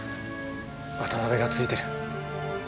渡辺がついてる。